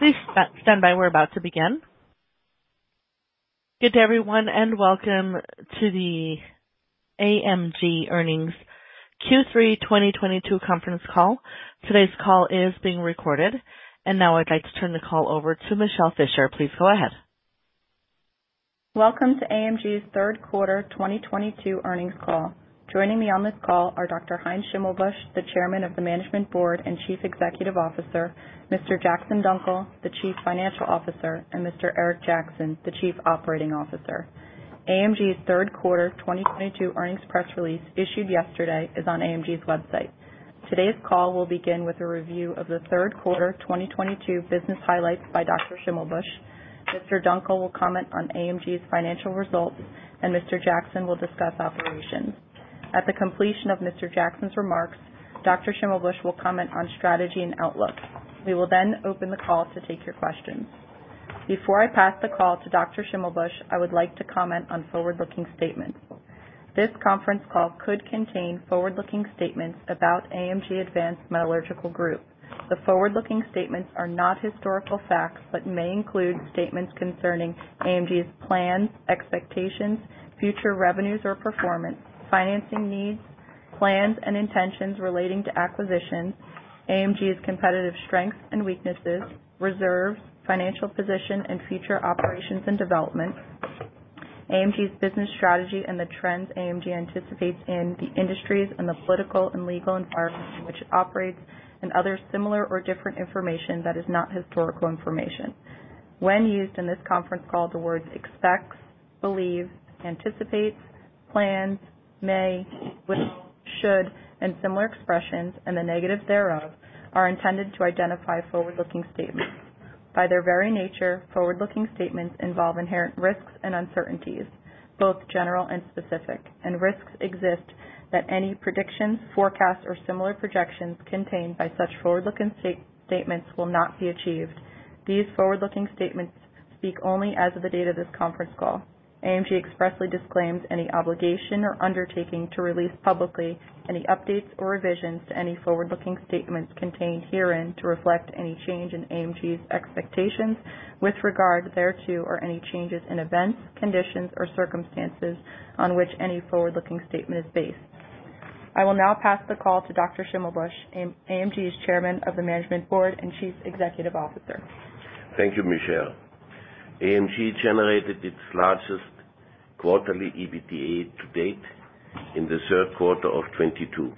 Please stand by. We're about to begin. Good everyone, and welcome to the AMG Earnings Q3 2022 conference call. Today's call is being recorded. Now I'd like to turn the call over to Michele Fischer. Please go ahead. Welcome to AMG's third quarter 2022 earnings call. Joining me on this call are Dr. Heinz Schimmelbusch, the chairman of the Management Board and Chief Executive Officer, Mr. Jackson Dunckel, the Chief Financial Officer, and Mr. Eric Jackson, the Chief Operating Officer. AMG's third quarter 2022 earnings press release issued yesterday is on AMG's website. Today's call will begin with a review of the third quarter of 2022 business highlights by Dr. Schimmelbusch. Mr. Dunckel will comment on AMG's financial results, and Mr. Jackson will discuss operations. At the completion of Mr. Jackson's remarks, Dr. Schimmelbusch will comment on strategy and outlook. We will then open the call to take your questions. Before I pass the call to Dr. Schimmelbusch, I would like to comment on forward-looking statements. This conference call could contain forward-looking statements about AMG Advanced Metallurgical Group. The forward-looking statements are not historical facts, but may include statements concerning AMG's plans, expectations, future revenues or performance, financing needs, plans and intentions relating to acquisitions, AMG's competitive strengths and weaknesses, reserves, financial position and future operations and developments, AMG's business strategy and the trends AMG anticipates in the industries and the political and legal environment in which it operates and other similar or different information that is not historical information. When used in this conference call the words expects, believes, anticipates, plans, may, will, should, and similar expressions, and the negatives thereof, are intended to identify forward-looking statements. By their very nature, forward-looking statements involve inherent risks and uncertainties, both general and specific, and risks exist that any predictions, forecasts, or similar projections contained by such forward-looking statements will not be achieved. These forward-looking statements speak only as of the date of this conference call. AMG expressly disclaims any obligation or undertaking to release publicly any updates or revisions to any forward-looking statements contained herein to reflect any change in AMG's expectations with regard thereto, or any changes in events, conditions, or circumstances on which any forward-looking statement is based. I will now pass the call to Dr. Heinz Schimmelbusch, AMG's Chairman of the Management Board and Chief Executive Officer. Thank you, Michele. AMG generated its largest quarterly EBITDA to date in the third quarter of 2022.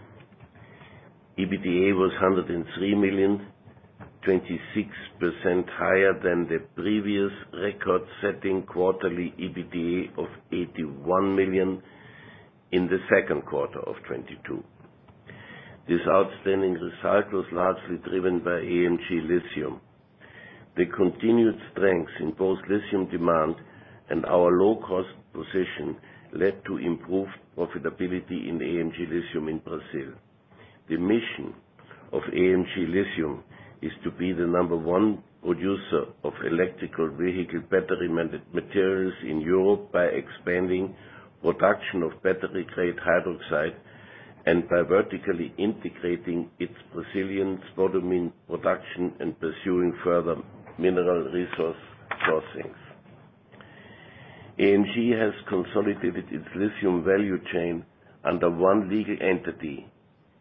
EBITDA was $103 million, 26% higher than the previous record-setting quarterly EBITDA of $81 million in the second quarter of 2022. This outstanding result was largely driven by AMG Lithium. The continued strength in both lithium demand and our low cost position led to improved profitability in AMG Lithium in Brazil. The mission of AMG Lithium is to be the number one producer of electric vehicle battery materials in Europe by expanding production of battery-grade hydroxide and by vertically integrating its Brazilian spodumene production and pursuing further mineral resource processing. AMG has consolidated its lithium value chain under one legal entity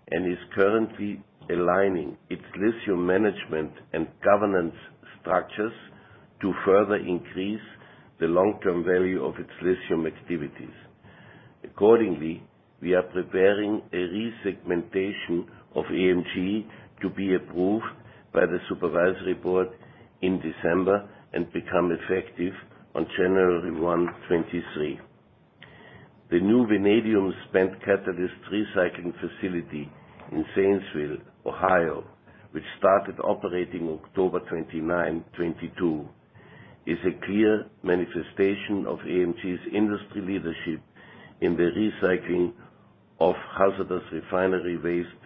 and is currently aligning its lithium management and governance structures to further increase the long-term value of its lithium activities. Accordingly, we are preparing a re-segmentation of AMG to be approved by the Supervisory Board in December and become effective on January 1, 2023. The new vanadium spent catalyst recycling facility in Zanesville, Ohio, which started operating October 29, 2022, is a clear manifestation of AMG's industry leadership in the recycling of hazardous refinery waste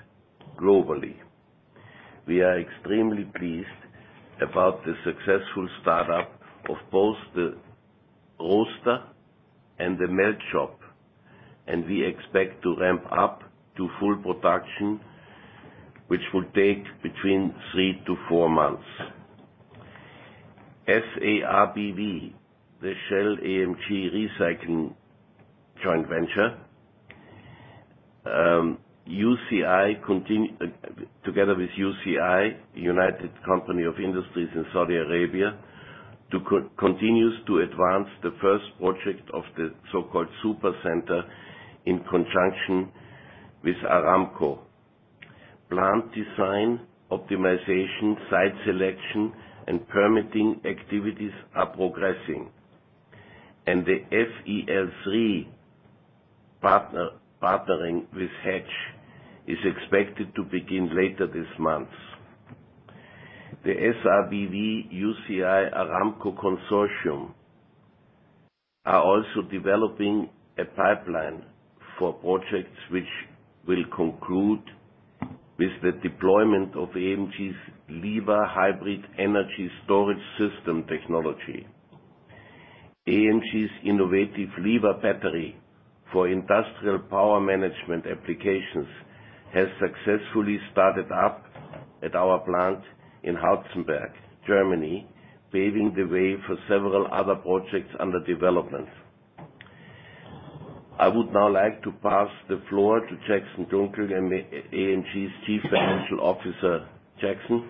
globally. We are extremely pleased about the successful startup of both the roaster and the melt shop, and we expect to ramp up to full production, which will take between three to four months. SARBV, the Shell & AMG Recycling joint venture, together with UCI, United Company for Industry in Saudi Arabia, continues to advance the first project of the so-called Supercenter in conjunction with Aramco. Plant design, optimization, site selection, and permitting activities are progressing, and the FEL3 partnering with Hatch is expected to begin later this month. The SARBV, UCI, Aramco consortium are also developing a pipeline for projects which will conclude with the deployment of AMG's LIVA hybrid energy storage system technology. AMG's innovative LIVA battery for industrial power management applications has successfully started up at our plant in Herzberg, Germany, paving the way for several other projects under development. I would now like to pass the floor to Jackson Dunckel, AMG's Chief Financial Officer. Jackson?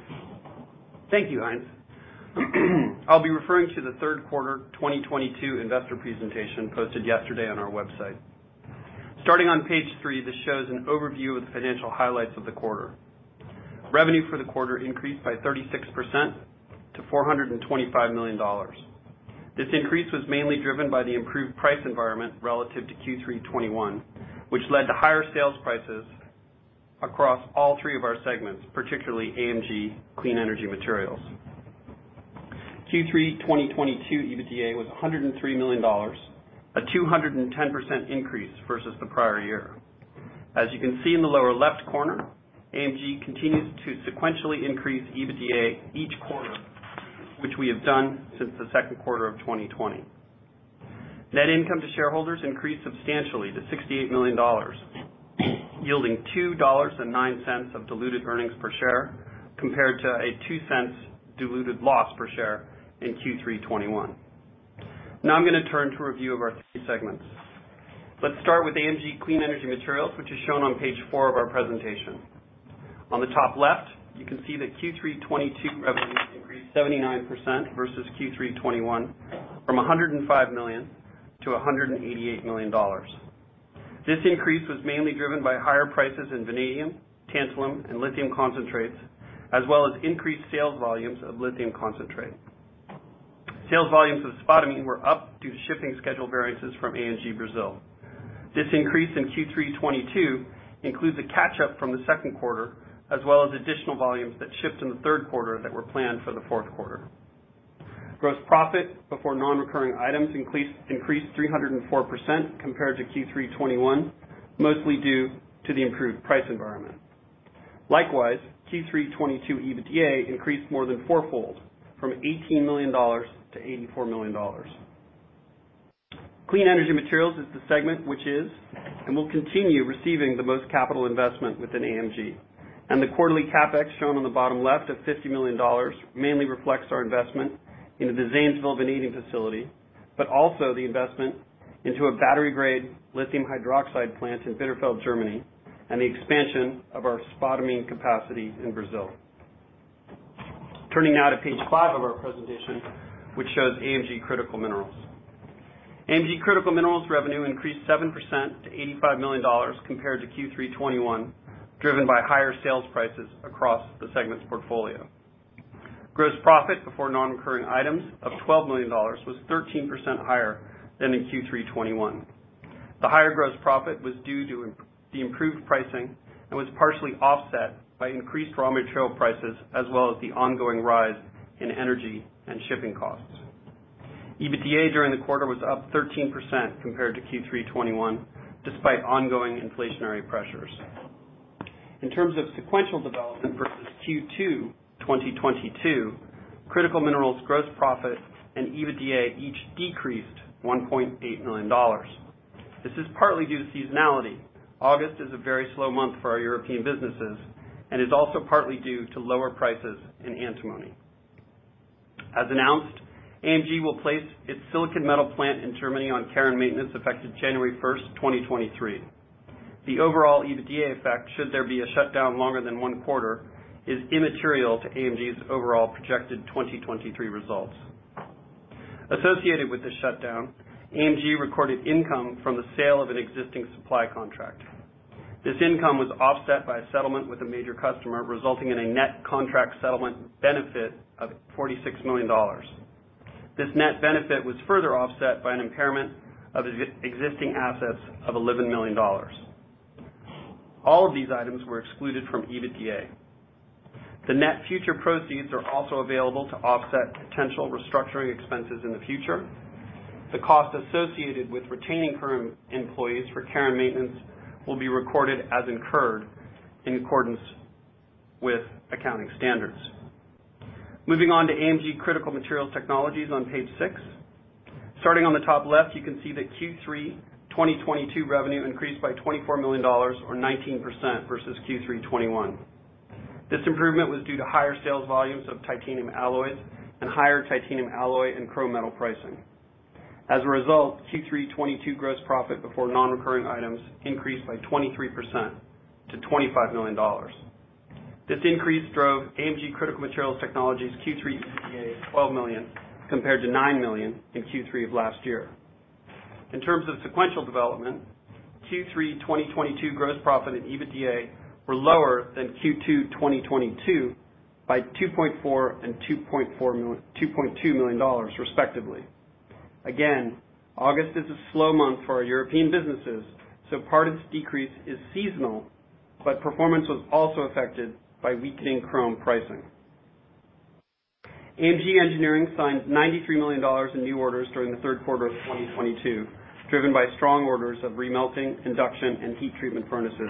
Thank you, Heinz. I'll be referring to the third quarter 2022 investor presentation posted yesterday on our website. Starting on page three, this shows an overview of the financial highlights of the quarter. Revenue for the quarter increased by 36% to $425 million. This increase was mainly driven by the improved price environment relative to Q3 2021, which led to higher sales prices across all three of our segments, particularly AMG Clean Energy Materials. Q3 2022 EBITDA was $103 million, a 210% increase versus the prior year. As you can see in the lower left corner, AMG continues to sequentially increase EBITDA each quarter, which we have done since the second quarter of 2020. Net income to shareholders increased substantially to $68 million, yielding $2.09 of diluted earnings per share compared to a $0.02 diluted loss per share in Q3 2021. Now I'm gonna turn to review of our three segments. Let's start with AMG Clean Energy Materials, which is shown on page four of our presentation. On the top left, you can see that Q3 2022 revenue increased 79% versus Q3 2021 from $105 million to $188 million. This increase was mainly driven by higher prices in vanadium, tantalum, and lithium concentrates, as well as increased sales volumes of lithium concentrate. Sales volumes of spodumene were up due to shipping schedule variances from AMG Brazil. This increase in Q3 2022 includes a catch up from the second quarter, as well as additional volumes that shipped in the third quarter that were planned for the fourth quarter. Gross profit before non-recurring items increased 304% compared to Q3 2021, mostly due to the improved price environment. Likewise, Q3 2022 EBITDA increased more than four-fold from $18 million to $84 million. Clean Energy Materials is the segment which is and will continue receiving the most capital investment within AMG. The quarterly CapEx shown on the bottom left of $50 million mainly reflects our investment into the Zanesville vanadium facility, but also the investment into a battery-grade lithium hydroxide plant in Bitterfeld, Germany, and the expansion of our spodumene capacity in Brazil. Turning now to page five of our presentation, which shows AMG Critical Minerals. AMG Critical Minerals revenue increased 7% to $85 million compared to Q3 2021, driven by higher sales prices across the segment's portfolio. Gross profit before non-recurring items of $12 million was 13% higher than in Q3 2021. The higher gross profit was due to the improved pricing and was partially offset by increased raw material prices, as well as the ongoing rise in energy and shipping costs. EBITDA during the quarter was up 13% compared to Q3 2021, despite ongoing inflationary pressures. In terms of sequential development versus Q2 2022, Critical Minerals' gross profit and EBITDA each decreased $1.8 million. This is partly due to seasonality. August is a very slow month for our European businesses and is also partly due to lower prices in antimony. As announced, AMG will place its silicon metal plant in Germany on care and maintenance effective January 1st, 2023. The overall EBITDA effect, should there be a shutdown longer than one quarter, is immaterial to AMG's overall projected 2023 results. Associated with this shutdown, AMG recorded income from the sale of an existing supply contract. This income was offset by a settlement with a major customer, resulting in a net contract settlement benefit of $46 million. This net benefit was further offset by an impairment of existing assets of $11 million. All of these items were excluded from EBITDA. The net future proceeds are also available to offset potential restructuring expenses in the future. The cost associated with retaining current employees for care and maintenance will be recorded as incurred in accordance with accounting standards. Moving on to AMG Critical Materials Technologies on page six. Starting on the top left, you can see that Q3 2022 revenue increased by $24 million or 19% versus Q3 2021. This improvement was due to higher sales volumes of titanium alloys and higher titanium alloy and chromium metal pricing. As a result, Q3 2022 gross profit before non-recurring items increased by 23% to $25 million. This increase drove AMG Critical Materials Technologies' Q3 EBITDA to $12 million compared to $9 million in Q3 of last year. In terms of sequential development, Q3 2022 gross profit and EBITDA were lower than Q2 2022 by $2.4 million and $2.2 million, respectively. Again, August is a slow month for our European businesses, so part of this decrease is seasonal, but performance was also affected by weakening chrome pricing. AMG Engineering signed $93 million in new orders during the third quarter of 2022, driven by strong orders of remelting, induction, and heat treatment furnaces,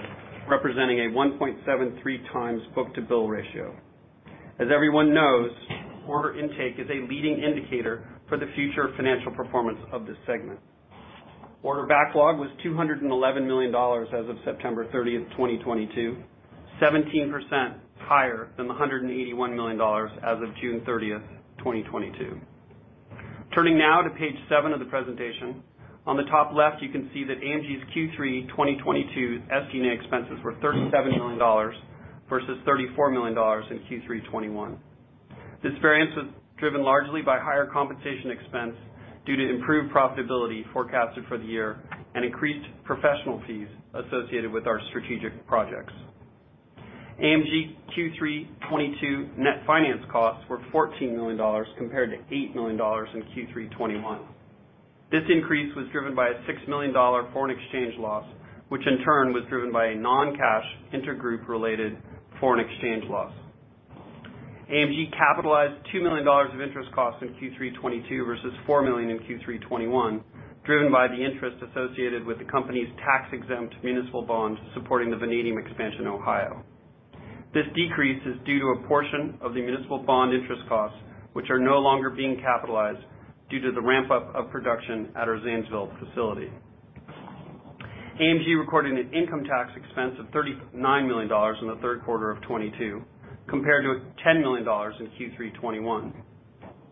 representing a 1.73x book-to-bill ratio. Everyone knows, order intake is a leading indicator for the future financial performance of this segment. Order backlog was $211 million as of September 30, 2022, 17% higher than the $181 million as of June 30, 2022. Turning now to page seven of the presentation. On the top left, you can see that AMG's Q3 2022 SG&A expenses were $37 million versus $34 million in Q3 2021. This variance was driven largely by higher compensation expense due to improved profitability forecasted for the year and increased professional fees associated with our strategic projects. AMG Q3 2022 net finance costs were $14 million compared to $8 million in Q3 2021. This increase was driven by a $6 million foreign exchange loss, which in turn was driven by a non-cash intergroup related foreign exchange loss. AMG capitalized $2 million of interest costs in Q3 2022 versus $4 million in Q3 2021, driven by the interest associated with the company's tax-exempt municipal bonds supporting the vanadium expansion in Ohio. This decrease is due to a portion of the municipal bond interest costs, which are no longer being capitalized due to the ramp-up of production at our Zanesville facility. AMG recorded an income tax expense of $39 million in the third quarter of 2022, compared to $10 million in Q3 2021.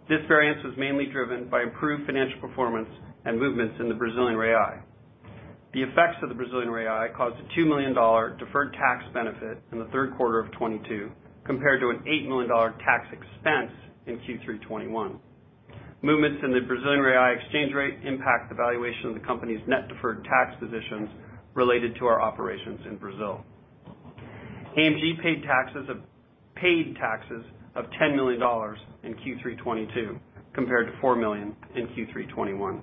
This variance was mainly driven by improved financial performance and movements in the Brazilian real. The effects of the Brazilian real caused a $2 million deferred tax benefit in the third quarter of 2022, compared to an $8 million tax expense in Q3 2021. Movements in the Brazilian real exchange rate impact the valuation of the company's net deferred tax positions related to our operations in Brazil. AMG paid taxes of $10 million in Q3 2022 compared to $4 million in Q3 2021.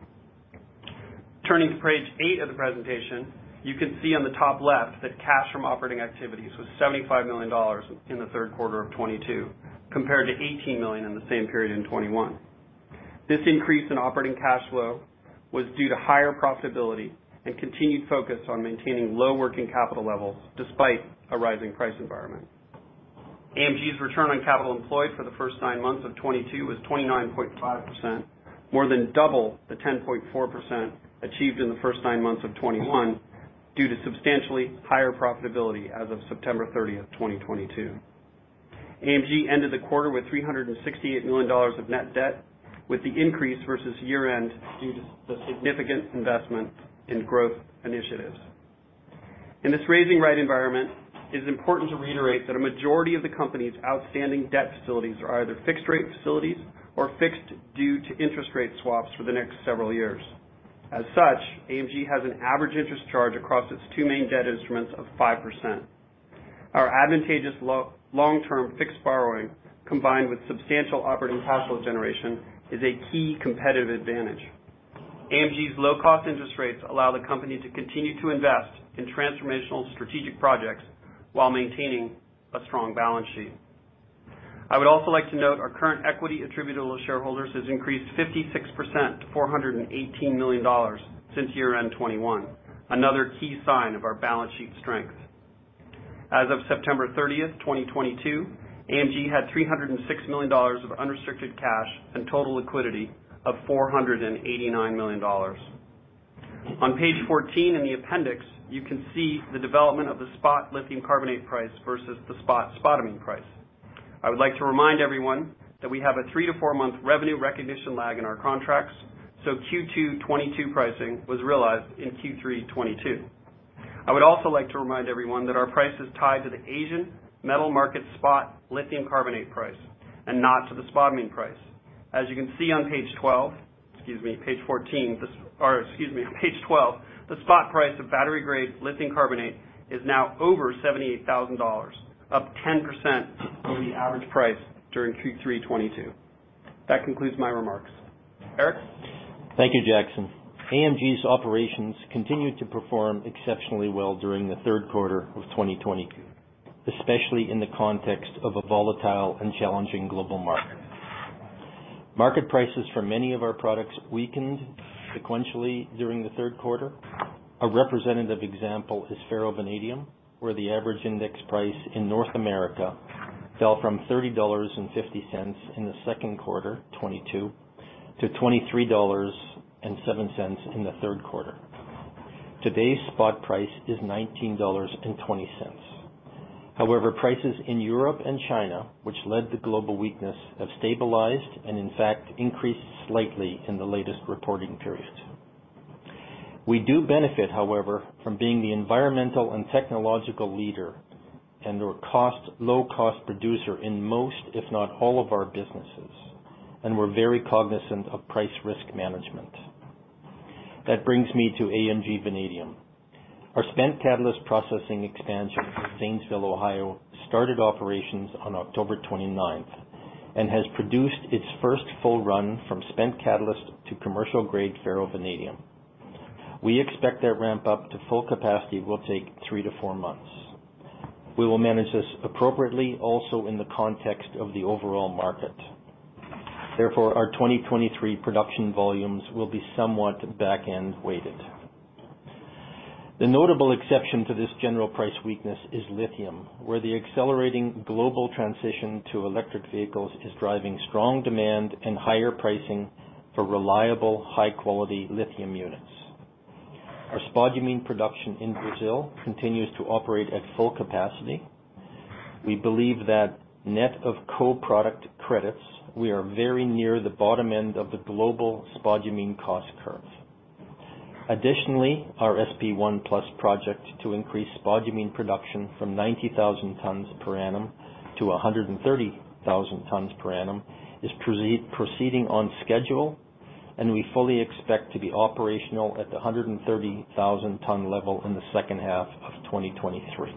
Turning to page eight of the presentation, you can see on the top left that cash from operating activities was $75 million in the third quarter of 2022 compared to $18 million in the same period in 2021. This increase in operating cash flow was due to higher profitability and continued focus on maintaining low working capital levels despite a rising price environment. AMG's return on capital employed for the first nine months of 2022 was 29.5%, more than double the 10.4% achieved in the first nine months of 2021 due to substantially higher profitability as of September 30th, 2022. AMG ended the quarter with $368 million of net debt, with the increase versus year end due to the significant investment in growth initiatives. In this rising rate environment, it is important to reiterate that a majority of the company's outstanding debt facilities are either fixed rate facilities or fixed due to interest rate swaps for the next several years. As such, AMG has an average interest charge across its two main debt instruments of 5%. Our advantageous long-term fixed borrowing, combined with substantial operating cash flow generation, is a key competitive advantage. AMG's low cost interest rates allow the company to continue to invest in transformational strategic projects while maintaining a strong balance sheet. I would also like to note our current equity attributable to shareholders has increased 56% to $418 million since year-end 2021, another key sign of our balance sheet strength. As of September 30, 2022, AMG had $306 million of unrestricted cash and total liquidity of $489 million. On page 14 in the appendix, you can see the development of the spot lithium carbonate price versus the spot spodumene price. I would like to remind everyone that we have a three- to four-month revenue recognition lag in our contracts, so Q2 2022 pricing was realized in Q3 2022. I would also like to remind everyone that our price is tied to the Asian Metal market spot lithium carbonate price and not to the spodumene price. As you can see on page 12, the spot price of battery-grade lithium carbonate is now over $78,000, up 10% from the average price during Q3 2022. That concludes my remarks. Eric? Thank you, Jackson. AMG's operations continued to perform exceptionally well during the third quarter of 2022, especially in the context of a volatile and challenging global market. Market prices for many of our products weakened sequentially during the third quarter. A representative example is ferrovanadium, where the average index price in North America fell from $30.50 in the second quarter 2022 to $23.07 in the third quarter. Today's spot price is $19.20. However, prices in Europe and China, which led to global weakness, have stabilized and, in fact, increased slightly in the latest reporting period. We do benefit, however, from being the environmental and technological leader and a low-cost producer in most, if not all, of our businesses, and we're very cognizant of price risk management. That brings me to AMG Vanadium. Our spent catalyst processing expansion in Zanesville, Ohio, started operations on October 29th and has produced its first full run from spent catalyst to commercial-grade ferrovanadium. We expect that ramp up to full capacity will take three to four months. We will manage this appropriately also in the context of the overall market. Therefore, our 2023 production volumes will be somewhat back-end weighted. The notable exception to this general price weakness is lithium, where the accelerating global transition to electric vehicles is driving strong demand and higher pricing for reliable, high quality lithium units. Our spodumene production in Brazil continues to operate at full capacity. We believe that net of co-product credits, we are very near the bottom end of the global spodumene cost curve. Additionally, our SP1+ project to increase spodumene production from 90,000 tons per annum to 130,000 tons per annum is proceeding on schedule, and we fully expect to be operational at the 130,000-ton level in the second half of 2023.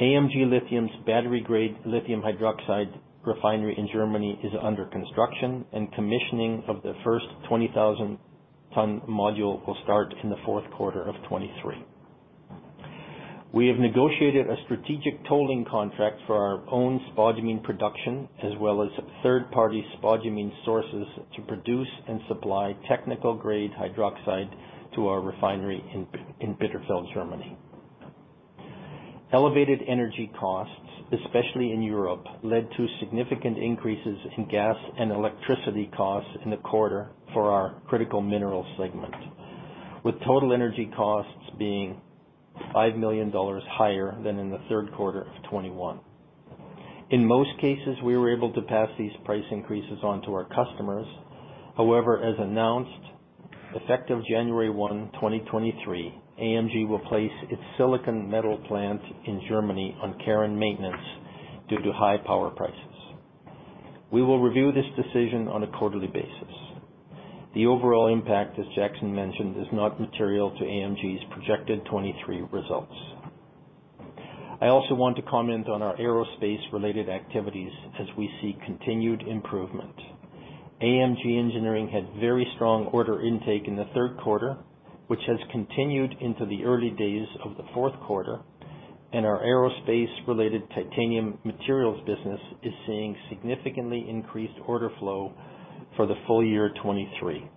AMG Lithium's battery-grade lithium hydroxide refinery in Germany is under construction, and commissioning of the first 20,000-ton module will start in the fourth quarter of 2023. We have negotiated a strategic tolling contract for our own spodumene production, as well as third-party spodumene sources to produce and supply technical grade hydroxide to our refinery in Bitterfeld, Germany. Elevated energy costs, especially in Europe, led to significant increases in gas and electricity costs in the quarter for our critical minerals segment, with total energy costs being $5 million higher than in the third quarter of 2021. In most cases, we were able to pass these price increases on to our customers. However, as announced, effective January 1, 2023, AMG will place its silicon metal plant in Germany on care and maintenance due to high power prices. We will review this decision on a quarterly basis. The overall impact, as Jackson mentioned, is not material to AMG's projected 2023 results. I also want to comment on our aerospace related activities as we see continued improvement. AMG Engineering had very strong order intake in the third quarter, which has continued into the early days of the fourth quarter, and our aerospace-related titanium materials business is seeing significantly increased order flow for the full year 2023.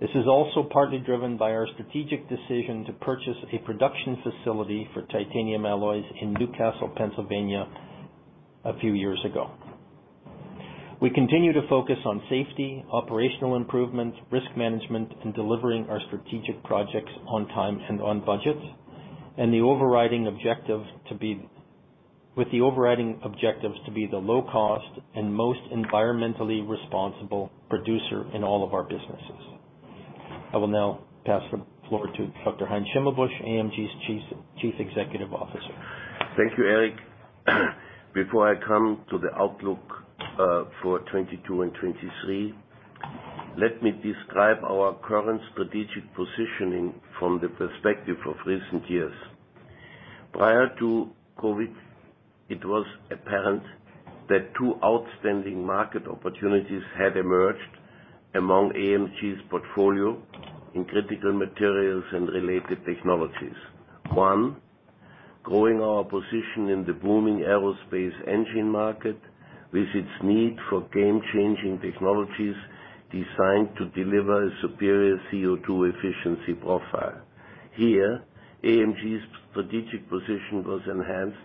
This is also partly driven by our strategic decision to purchase a production facility for titanium alloys in New Castle, Pennsylvania a few years ago. We continue to focus on safety, operational improvement, risk management, and delivering our strategic projects on time and on budget. With the overriding objectives to be the low-cost and most environmentally responsible producer in all of our businesses. I will now pass the floor to Dr. Heinz Schimmelbusch, AMG's chief executive officer. Thank you, Eric. Before I come to the outlook for 2022 and 2023, let me describe our current strategic positioning from the perspective of recent years. Prior to COVID, it was apparent that two outstanding market opportunities had emerged among AMG's portfolio in critical materials and related technologies. One, growing our position in the booming aerospace engine market with its need for game-changing technologies designed to deliver a superior CO2 efficiency profile. Here, AMG's strategic position was enhanced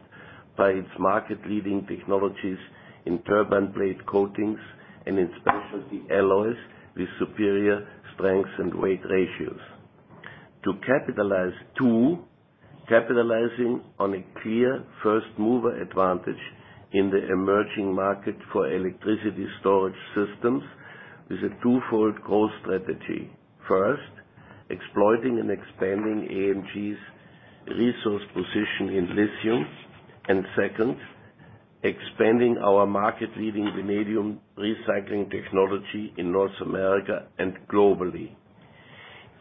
by its market leading technologies in turbine blade coatings and in specialty alloys with superior strengths and weight ratios. To capitalize, two, capitalizing on a clear first mover advantage in the emerging market for electricity storage systems is a twofold growth strategy. First, exploiting and expanding AMG's resource position in lithium. Second, expanding our market leading vanadium recycling technology in North America and globally.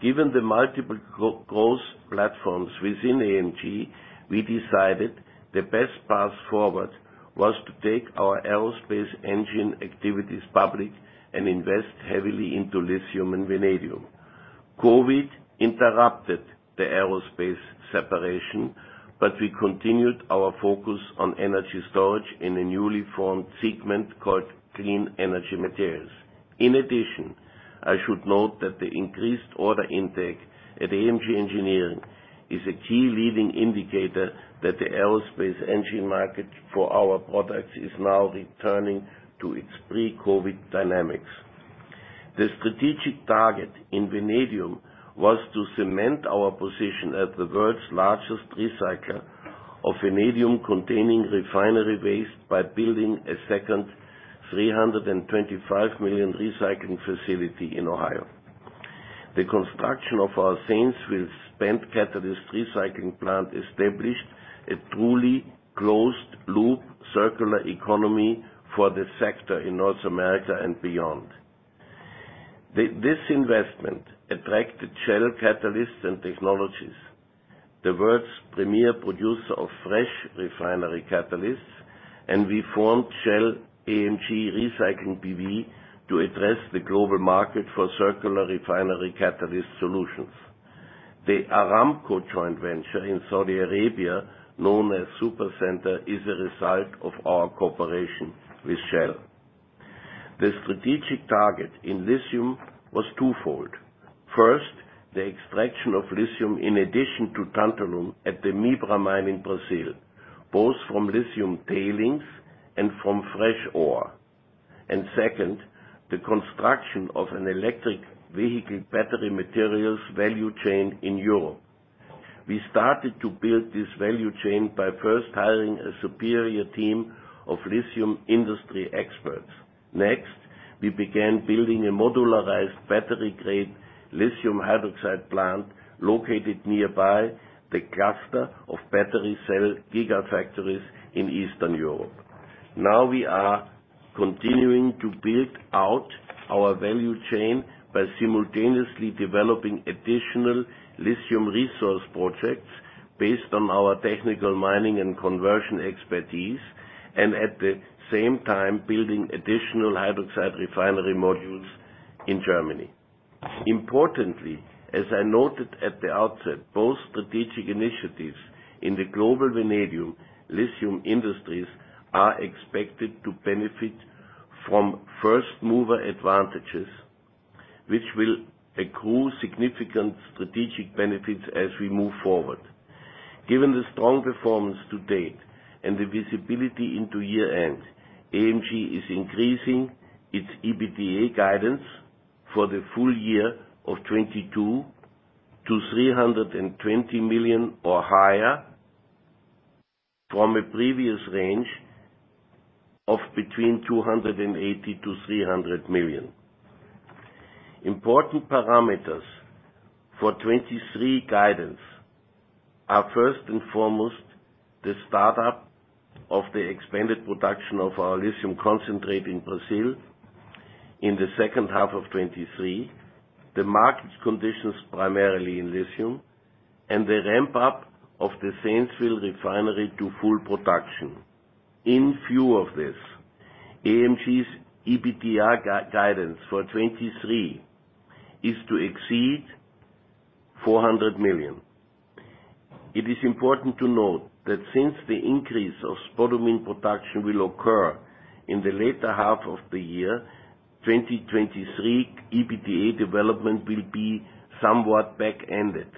Given the multiple growth platforms within AMG, we decided the best path forward was to take our aerospace engine activities public and invest heavily into lithium and vanadium. COVID interrupted the aerospace separation, but we continued our focus on energy storage in a newly formed segment called Clean Energy Materials. In addition, I should note that the increased order intake at AMG Engineering is a key leading indicator that the aerospace engine market for our products is now returning to its pre-COVID dynamics. The strategic target in vanadium was to cement our position as the world's largest recycler of vanadium-containing refinery waste by building a second $325 million recycling facility in Ohio. The construction of our Zanesville spent catalyst recycling plant established a truly closed-loop circular economy for the sector in North America and beyond. This investment attracted Shell Catalysts and Technologies, the world's premier producer of fresh refinery catalysts, and we formed Shell & AMG Recycling B.V. to address the global market for circular refinery catalyst solutions. The Aramco joint venture in Saudi Arabia, known as Supercenter, is a result of our cooperation with Shell. The strategic target in lithium was twofold. First, the extraction of lithium in addition to tantalum at the Mibra mine in Brazil, both from lithium tailings and from fresh ore. Second, the construction of an electric vehicle battery materials value chain in Europe. We started to build this value chain by first hiring a superior team of lithium industry experts. Next, we began building a modularized battery-grade lithium hydroxide plant located nearby the cluster of battery cell gigafactories in Eastern Europe. Now we are continuing to build out our value chain by simultaneously developing additional lithium resource projects based on our technical mining and conversion expertise, and at the same time building additional hydroxide refinery modules in Germany. Importantly, as I noted at the outset, both strategic initiatives in the global vanadium lithium industries are expected to benefit from first mover advantages, which will accrue significant strategic benefits as we move forward. Given the strong performance to date and the visibility into year-end, AMG is increasing its EBITDA guidance for the full year of 2022 to $320 million or higher from a previous range of between $280 million-$300 million. Important parameters for 2023 guidance are first and foremost the startup of the expanded production of our lithium concentrate in Brazil in the second half of 2023, the market conditions primarily in lithium, and the ramp-up of the Zanesville refinery to full production. In view of this, AMG's EBITDA guidance for 2023 is to exceed 400 million. It is important to note that since the increase of spodumene production will occur in the latter half of the year, 2023 EBITDA development will be somewhat back-ended.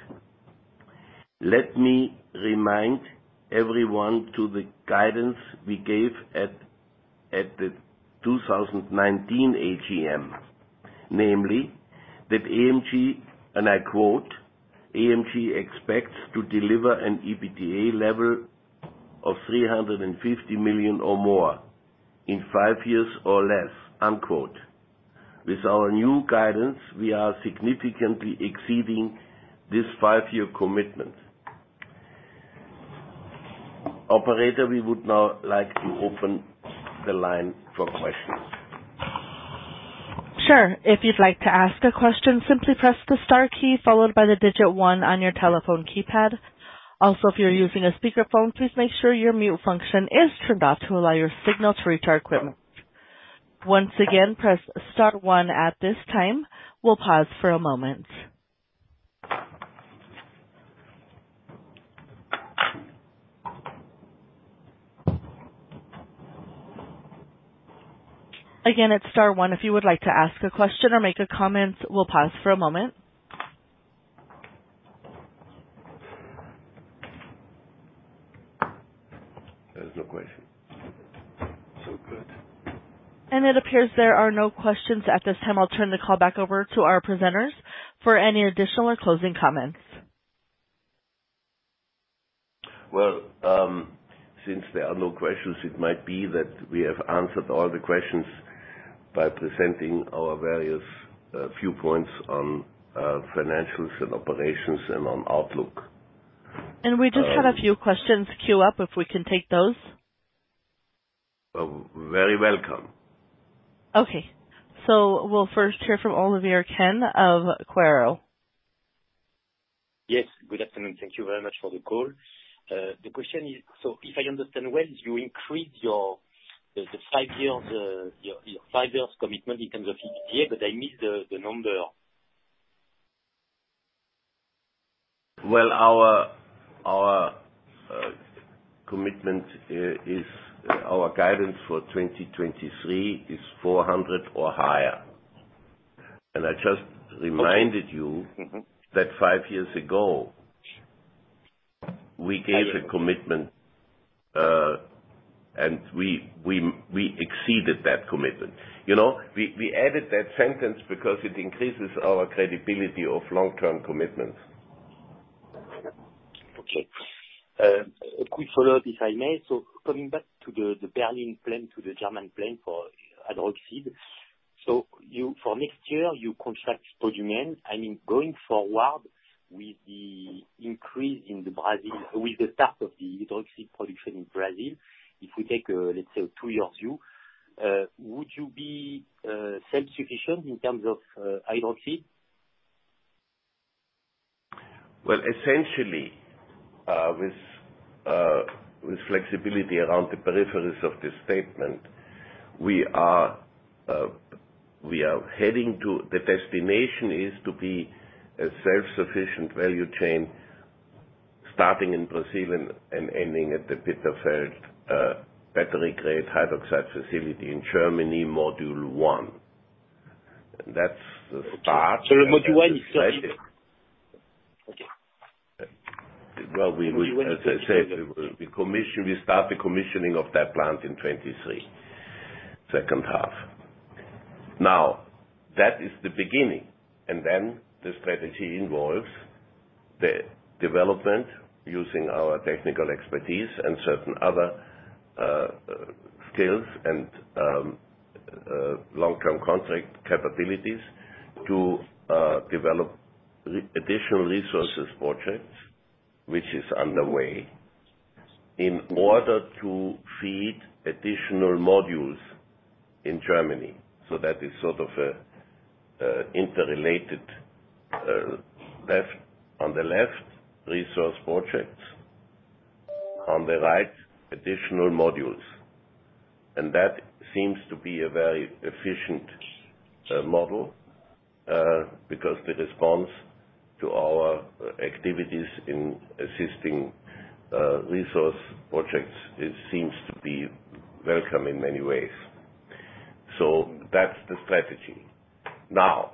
Let me remind everyone of the guidance we gave at the 2019 AGM. Namely, that AMG, and I quote, "AMG expects to deliver an EBITDA level of 350 million or more in five years or less," unquote. With our new guidance, we are significantly exceeding this five-year commitment. Operator, we would now like to open the line for questions. Sure. If you'd like to ask a question, simply press the star key followed by the digit one on your telephone keypad. Also, if you're using a speakerphone, please make sure your mute function is turned off to allow your signal to reach our equipment. Once again, press star one at this time. We'll pause for a moment. Again, it's star one if you would like to ask a question or make a comment. We'll pause for a moment. There's no question. Good. It appears there are no questions at this time. I'll turn the call back over to our presenters for any additional or closing comments. Well, since there are no questions, it might be that we have answered all the questions by presenting our various viewpoints on financials and operations and on outlook. We just had a few questions queue up, if we can take those. Oh, very welcome. Okay. We'll first hear from Olivier Ken of Quaero. Yes. Good afternoon. Thank you very much for the call. The question is, if I understand well, you increased your the five years commitment in terms of EBITDA, but I missed the number. Well, our commitment is our guidance for 2023 is 400 or higher. I just reminded you. Mm-hmm. That five years ago we gave a commitment, and we exceeded that commitment. You know, we added that sentence because it increases our credibility of long-term commitments. Okay. A quick follow-up, if I may. Coming back to the Bitterfeld plan, the German plan for hydroxide. For next year, you contract spodumene. I mean, going forward with the start of the hydroxide production in Brazil, if we take, let's say a two-year view, would you be self-sufficient in terms of hydroxide? Well, essentially, with flexibility around the peripheries of this statement, the destination is to be a self-sufficient value chain starting in Brazil and ending at the Bitterfeld battery-grade hydroxide facility in Germany, module 1. That's the start. Module 1 is ready? Okay. Well, as I said, we start the commissioning of that plant in 2023, second half. Now, that is the beginning. Then the strategy involves the development using our technical expertise and certain other skills and long-term contract capabilities to develop additional resources projects, which is underway, in order to feed additional modules in Germany. That is sort of an interrelated, on the left, resource projects, on the right, additional modules. That seems to be a very efficient model because the response to our activities in assisting resource projects, it seems to be welcome in many ways. That's the strategy. Now,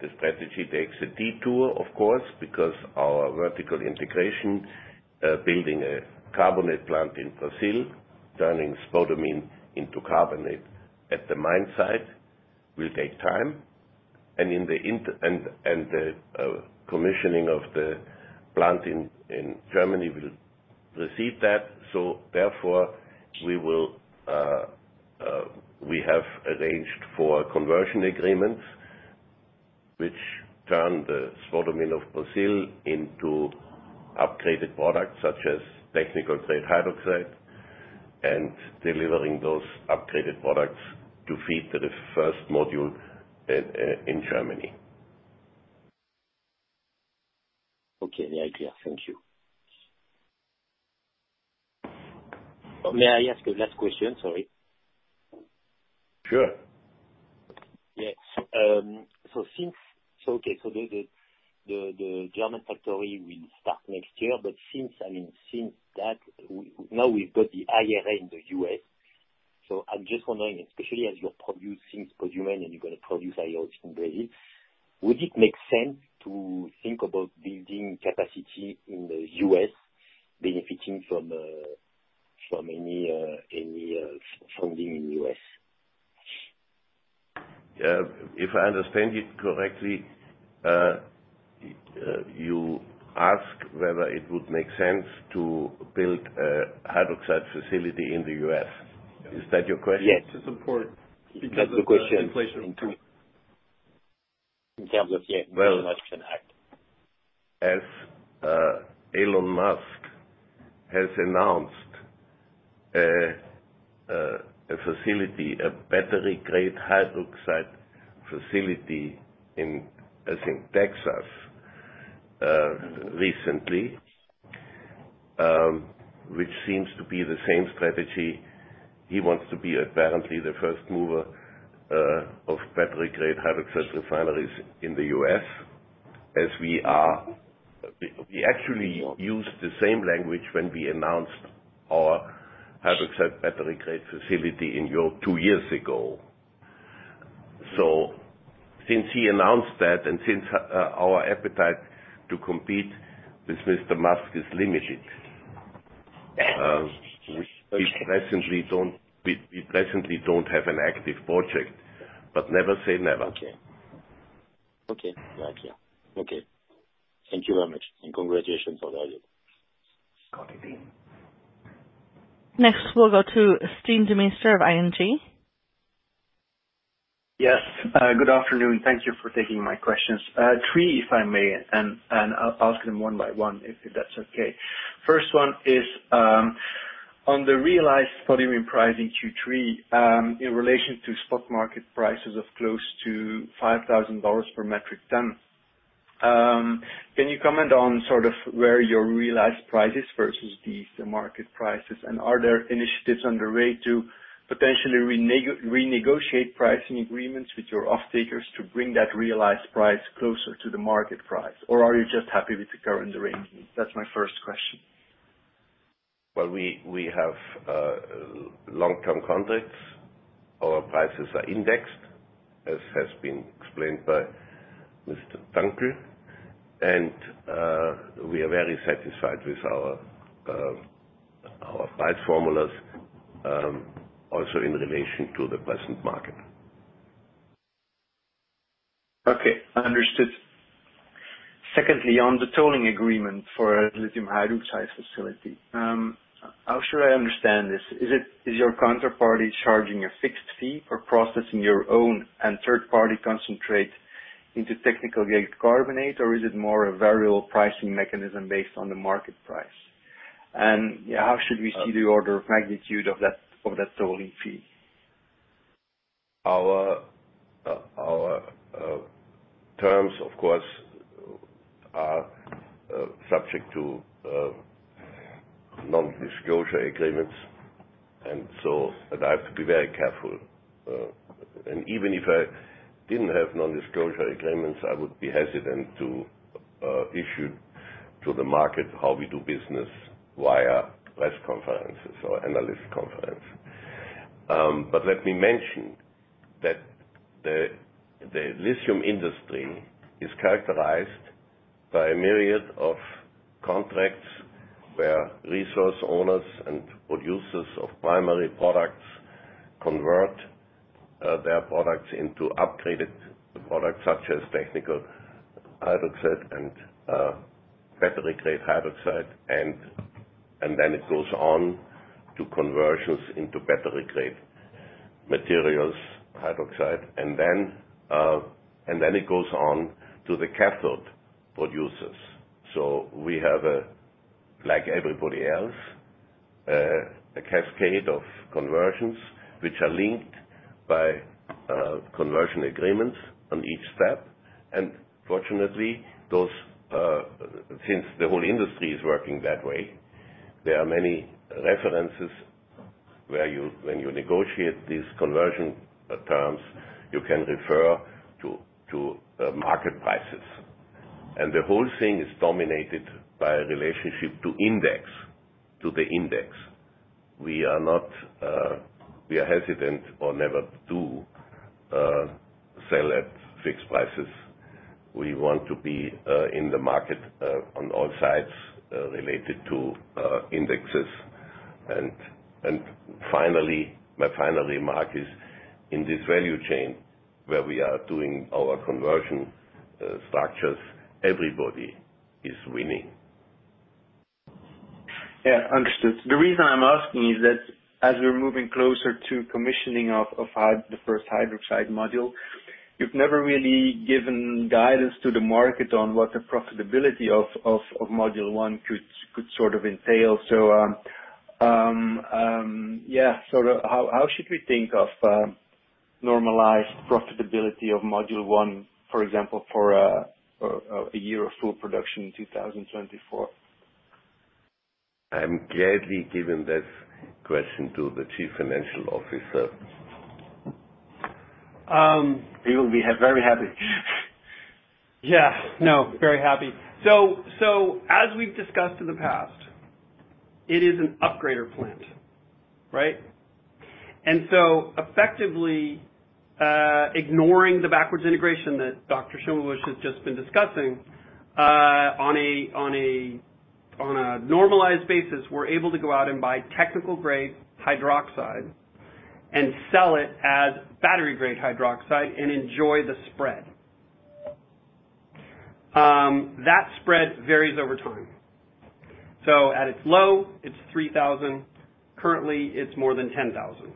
the strategy takes a detour of course, because our vertical integration, building a carbonate plant in Brazil, turning spodumene into carbonate at the mine site, will take time. In the interim, the commissioning of the plant in Germany will precede that. Therefore, we have arranged for conversion agreements, which turn the spodumene of Brazil into upgraded products such as technical grade hydroxide, and delivering those upgraded products to feed the first module in Germany. Okay. Yeah, clear. Thank you. May I ask a last question? Sorry. Sure. The German factory will start next year. Since that, I mean, now we've got the IRA in the U.S. I'm just wondering, especially as you're producing spodumene and you're gonna produce LiOH in Brazil, would it make sense to think about building capacity in the U.S. benefiting from any funding in the U.S.? If I understand you correctly, you ask whether it would make sense to build a hydroxide facility in the U.S. Is that your question? Yes. To support- That's the question. Because of the inflation too. In terms of the Inflation Reduction Act. Elon Musk has announced a battery-grade lithium hydroxide facility in, I think, Texas recently, which seems to be the same strategy. He wants to be apparently the first mover of battery-grade lithium hydroxide refineries in the U.S. as we are. We actually used the same language when we announced our battery-grade lithium hydroxide facility in Europe two years ago. Since he announced that, and since our appetite to compete with Mr. Musk is limited, we presently don't have an active project, but never say never. Okay. Yeah, clear. Thank you very much, and congratulations on all of it. Got it. Thanks. Next, we'll go to Stijn Demeester of ING. Yes. Good afternoon. Thank you for taking my questions. Three, if I may, and I'll ask them one by one, if that's okay. First one is, on the realized spodumene price in Q3, in relation to spot market prices of close to $5,000 per metric ton, can you comment on where your realized price is versus the market prices? And are there initiatives underway to potentially renegotiate pricing agreements with your off-takers to bring that realized price closer to the market price? Or are you just happy with the current arrangement? That's my first question. Well, we have long-term contracts. Our prices are indexed, as has been explained by Mr. Dunckel. We are very satisfied with our price formulas, also in relation to the present market. Okay. Understood. Secondly, on the tolling agreement for a lithium hydroxide facility, how should I understand this? Is it your counterparty charging a fixed fee for processing your own and third-party concentrate into technical grade carbonate, or is it more a variable pricing mechanism based on the market price? Yeah, how should we see the order of magnitude of that tolling fee? Our terms of course are subject to non-disclosure agreements. I have to be very careful. Even if I didn't have non-disclosure agreements, I would be hesitant to issue to the market how we do business via press conferences or analyst conference. Let me mention that the lithium industry is characterized by a myriad of contracts where resource owners and producers of primary products convert their products into upgraded products such as technical hydroxide and battery-grade hydroxide. Then it goes on to conversions into battery-grade materials, hydroxide, and then it goes on to the cathode producers. We have, like everybody else, a cascade of conversions which are linked by conversion agreements on each step. Fortunately, those since the whole industry is working that way, there are many references where when you negotiate these conversion terms, you can refer to market prices. The whole thing is dominated by a relationship to the index. We are hesitant or never do sell at fixed prices. We want to be in the market on all sides related to indexes. Finally, my final remark is, in this value chain where we are doing our conversion structures, everybody is winning. Yeah. Understood. The reason I'm asking is that as we're moving closer to commissioning of the first hydroxide module, you've never really given guidance to the market on what the profitability of module 1 could sort of entail. How should we think of normalized profitability of module 1, for example, for a year of full production in 2024? I'm gladly giving that question to the Chief Financial Officer. Um- He will be very happy. Yeah, no, very happy. As we've discussed in the past, it is an upgrader plant, right? Effectively, ignoring the backward integration that Dr. Schimmelbusch has just been discussing, on a normalized basis, we're able to go out and buy technical-grade hydroxide and sell it as battery-grade hydroxide and enjoy the spread. That spread varies over time. At its low, it's $3,000. Currently, it's more than $10,000,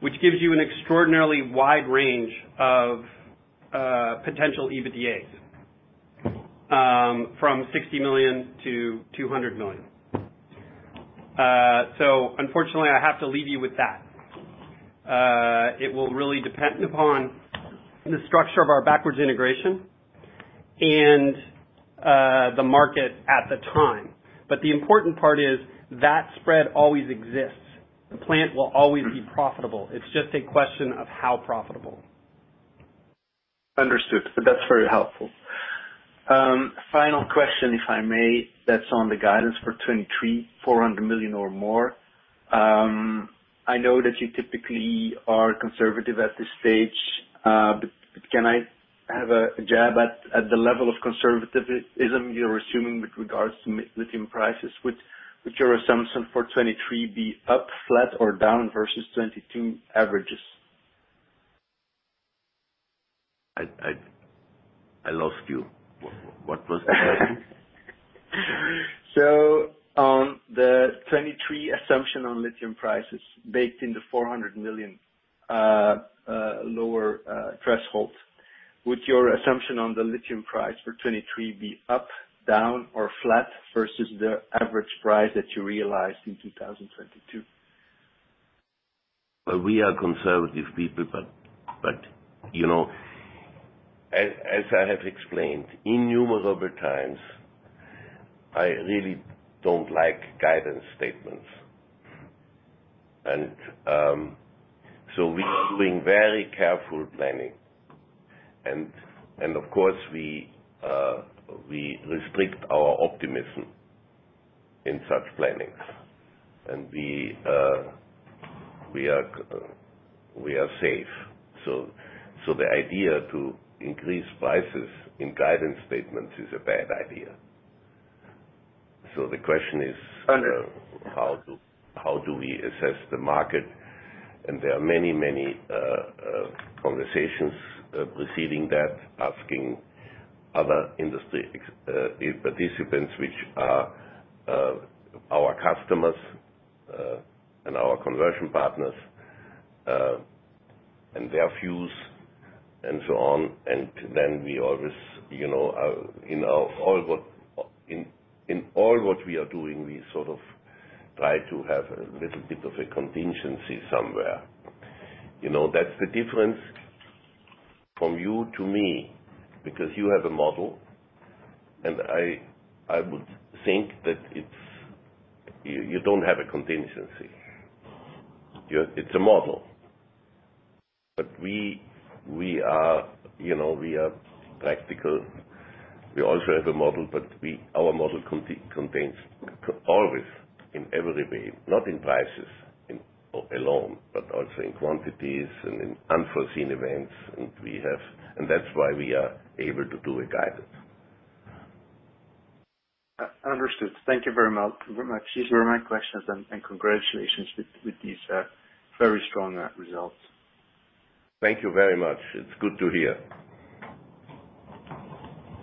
which gives you an extraordinarily wide range of potential EBITDAs from $60 million-$200 million. Unfortunately, I have to leave you with that. It will really depend upon the structure of our backward integration and the market at the time. The important part is that spread always exists. The plant will always be profitable. It's just a question of how profitable. Understood. That's very helpful. Final question, if I may, that's on the guidance for 2023, $400 million or more. I know that you typically are conservative at this stage, but can I have a stab at the level of conservatism you're assuming with regards to lithium prices? Would your assumption for 2023 be up, flat or down versus 2022 averages? I lost you. What was the question? On the 2023 assumption on lithium prices baked into $400 million lower threshold, would your assumption on the lithium price for 2023 be up, down or flat versus the average price that you realized in 2022? We are conservative people, but you know, as I have explained innumerable other times, I really don't like guidance statements. We are doing very careful planning. Of course we restrict our optimism in such plannings. We are safe. The idea to increase prices in guidance statements is a bad idea. The question is- Under- How do we assess the market? There are many conversations preceding that, asking other industry participants, which are our customers and our conversion partners and their views and so on. Then we always, you know, in all that we are doing, we sort of try to have a little bit of a contingency somewhere. You know, that's the difference from you to me, because you have a model, and I would think that it's you don't have a contingency. You're, it's a model. We are, you know, we are practical. We also have a model, but we our model contains always in every way, not in prices alone, but also in quantities and in unforeseen events. That's why we are able to do a guidance. Understood. Thank you very much, very much. These were my questions, and congratulations with these very strong results. Thank you very much. It's good to hear.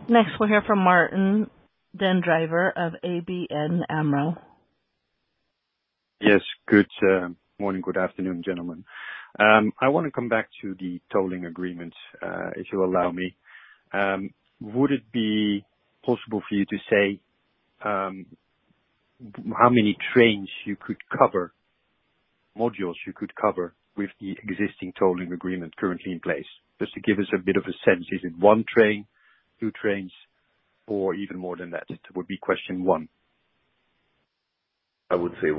Next, we'll hear from Martijn den Drijver of ABN AMRO. Yes. Good morning. Good afternoon, gentlemen. I wanna come back to the tolling agreement, if you allow me. Would it be possible for you to say, how many trains you could cover, modules you could cover with the existing tolling agreement currently in place? Just to give us a bit of a sense. Is it one train, two trains, or even more than that? That would be question one. I would say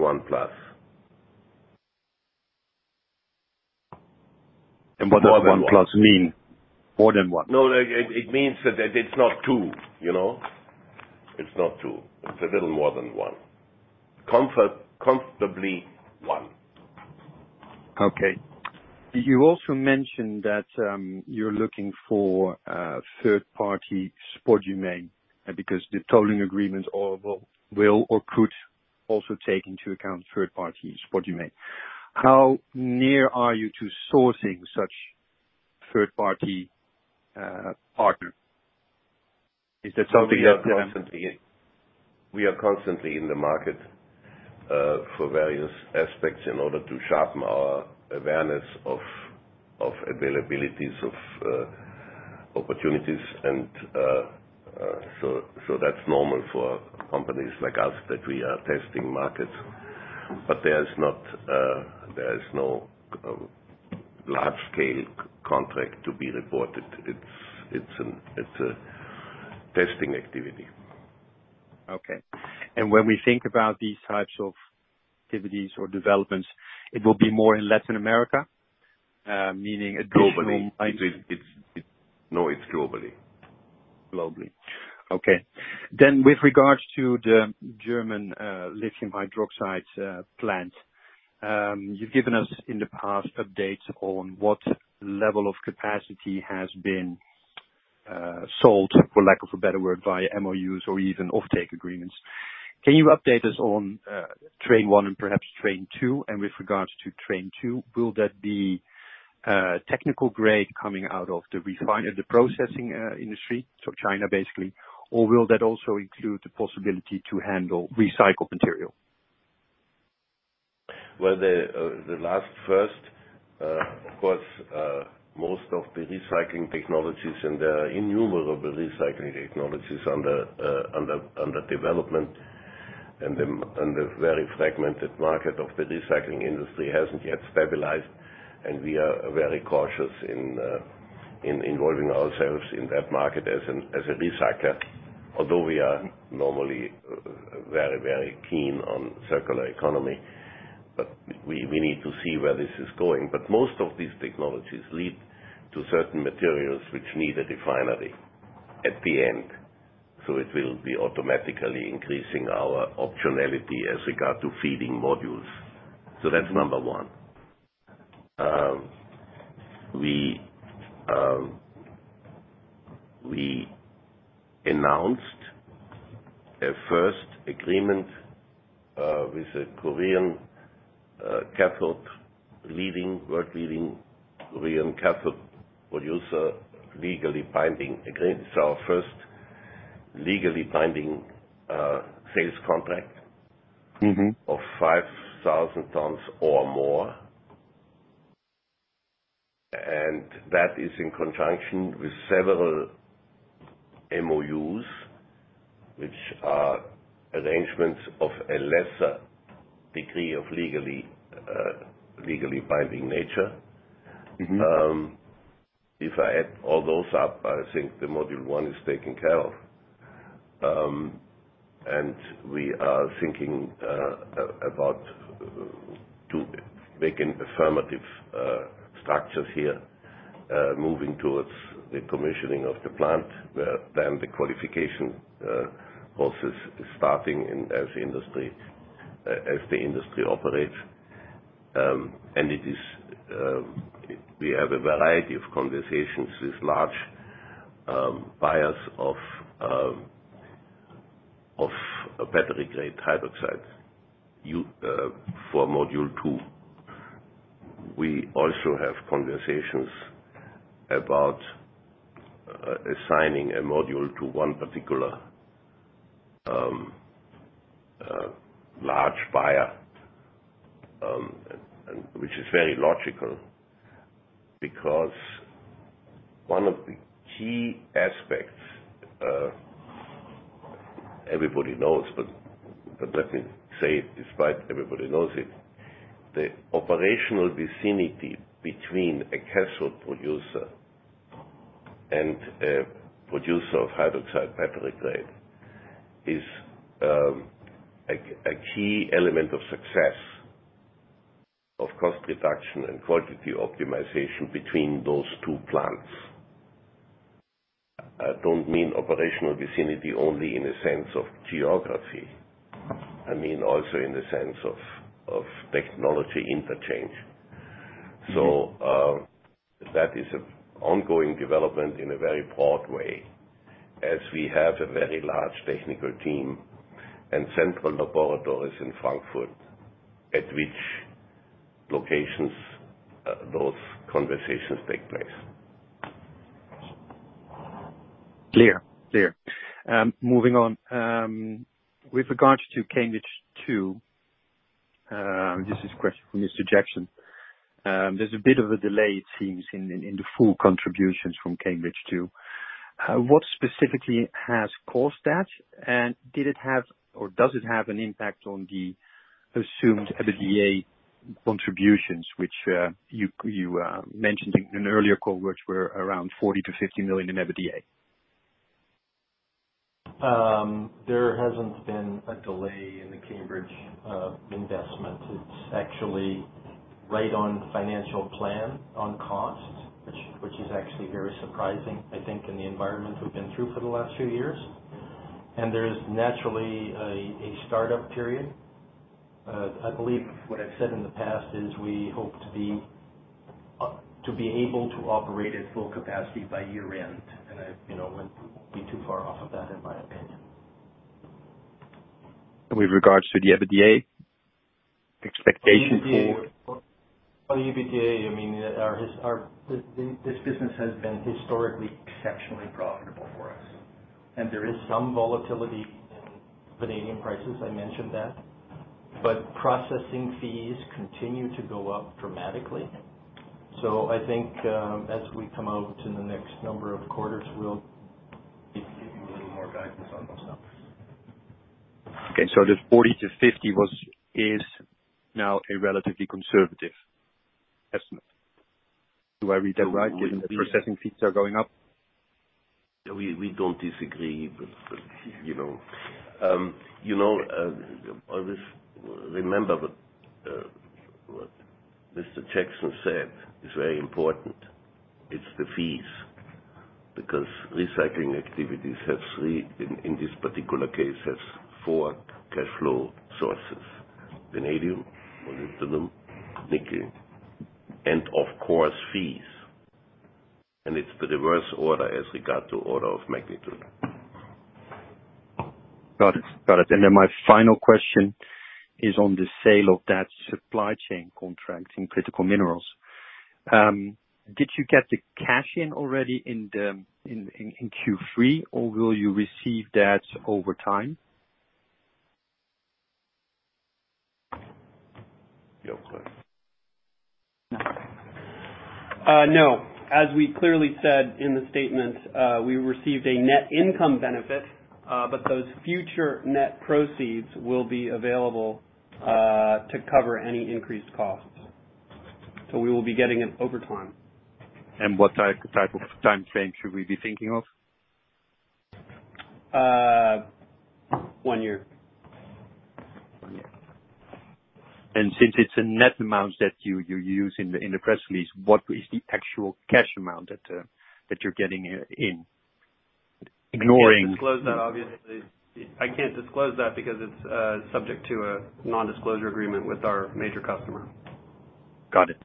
1+. What does one + mean? More than one. No, like, it means that it's not two, you know? It's not two. It's a little more than one. Comfortably one. Okay. You also mentioned that you're looking for a third-party spodumene because the tolling agreement will or could also take into account third-party spodumene. How near are you to sourcing such third-party partner? Is that something that- We are constantly in the market for various aspects in order to sharpen our awareness of availabilities of opportunities. That's normal for companies like us that we are testing markets. There's no large scale contract to be reported. It's a testing activity. Okay. When we think about these types of activities or developments, it will be more in Latin America. Globally. It's globally. Globally. Okay. With regards to the German lithium hydroxide plant. You've given us in the past updates on what level of capacity has been sold, for lack of a better word, via MOUs or even offtake agreements. Can you update us on train one and perhaps train two? With regards to train two, will that be technical grade coming out of the refiner, the processing industry, so China basically, or will that also include the possibility to handle recycled material? Well, the last first, of course, most of the recycling technologies and innumerable recycling technologies under development and the very fragmented market of the recycling industry hasn't yet stabilized. We are very cautious in involving ourselves in that market as a recycler. Although we are normally very, very keen on circular economy. We need to see where this is going. Most of these technologies lead to certain materials which need a refinery at the end, so it will be automatically increasing our optionality as regard to feeding modules. That's number one. We announced a first agreement with a Korean world-leading Korean cathode producer, legally binding agreement. It's our first legally binding sales contract. Mm-hmm... of 5,000 tons or more. That is in conjunction with several MOUs, which are arrangements of a lesser degree of legally binding nature. Mm-hmm. If I add all those up, I think the module 1 is taken care of. We are thinking about making offtake structures here, moving towards the commissioning of the plant, where then the qualification process is starting as the industry operates. We have a variety of conversations with large buyers of a battery-grade hydroxide for module 2. We also have conversations about assigning a module to one particular large buyer, and which is very logical because one of the key aspects everybody knows, but let me say it despite everybody knows it. The operational vicinity between a spodumene producer and a producer of battery-grade hydroxide is a key element of success of cost reduction and quality optimization between those two plants. I don't mean operational vicinity only in the sense of geography. I mean also in the sense of technology interchange. That is an ongoing development in a very broad way as we have a very large technical team and central laboratories in Frankfurt, at which locations those conversations take place. Clear. Moving on. With regards to Cambridge 2, this is a question from Mr. Jackson. There's a bit of a delay it seems in the full contributions from Cambridge 2. What specifically has caused that? Did it have, or does it have an impact on the assumed EBITDA contributions, which you mentioned in an earlier call, which were around 40 million-50 million in EBITDA? There hasn't been a delay in the Cambridge 2 investment. It's actually right on financial plan on costs, which is actually very surprising, I think, in the environment we've been through for the last few years. There is naturally a startup period. I believe what I've said in the past is we hope to be able to operate at full capacity by year-end. I wouldn't be too far off of that, in my opinion. With regards to the EBITDA expectation for- On EBITDA, I mean, our this business has been historically exceptionally profitable for us. There is some volatility in vanadium prices, I mentioned that. Processing fees continue to go up dramatically. I think, as we come out to the next number of quarters, we'll give you a little more guidance on those numbers. Okay. The 40-50 was, is now a relatively conservative estimate. Do I read that right? You read that correctly. Given the processing fees are going up. We don't disagree. You know, always remember what Mr. Jackson said. It's very important. It's the fees, because recycling activities have three, in this particular case, has four cash flow sources, vanadium, molybdenum, nickel, and of course, fees. It's the reverse order as regard to order of magnitude. Got it. Got it. My final question is on the sale of that supply chain contract in Critical Minerals. Did you get the cash in already in Q3, or will you receive that over time? Jackson, please. No. As we clearly said in the statement, we received a net income benefit, but those future net proceeds will be available to cover any increased costs. We will be getting them over time. What type of timeframe should we be thinking of? One year. One year. Since it's a net amount that you use in the press release, what is the actual cash amount that you're getting in? I can't disclose that, obviously. I can't disclose that because it's subject to a non-disclosure agreement with our major customer. Got it.